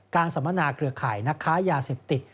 สัมมนาเครือข่ายนักค้ายาเสพติด